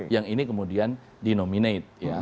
yang ini kemudian dinominate